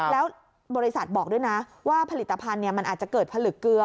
แล้วบริษัทบอกด้วยนะว่าผลิตภัณฑ์มันอาจจะเกิดผลึกเกลือ